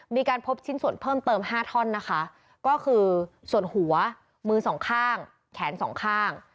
มีการพบชิ้นส่วนเพิ่มเติม๕ท่อนนะคะก็คือส่วนหัวมือสองข้างแขนสองข้าง